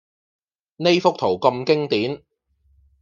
呢幅圖咁經典